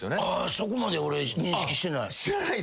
そこまで俺認識してない。